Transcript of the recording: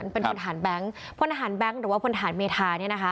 เป็นพลฐานแบงค์พลทหารแบงค์หรือว่าพลฐานเมธาเนี่ยนะคะ